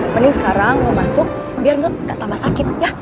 mending sekarang lo masuk biar gak tambah sakit ya